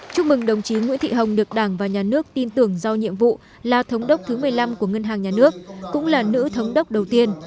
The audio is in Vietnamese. chúc mừng đồng chí nguyễn thị hồng được đảng và nhà nước tin tưởng giao nhiệm vụ là thống đốc thứ một mươi năm của ngân hàng nhà nước cũng là nữ thống đốc đầu tiên